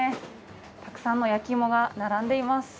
たくさんの焼き芋が並んでいます。